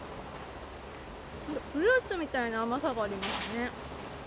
フルーツみたいな甘さがあります